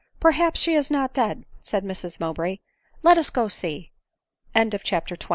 "jPerhapsshe is not dead," said Mrs Mowbray; "let us go see." CHAPTER XXX.